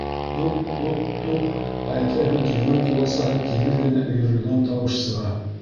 Туҡ, туҡ, туҡ — әйтерһең, тирмән ҡуласаһы тигеҙ генә өйөрөлгән тауыш сыға.